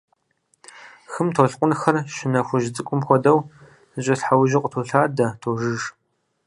Хым толъкъунхэр щынэ хужь цӏыкӏум хуэдэурэ, зэкӏэлъхьэужьу къытолъадэ, тожыж.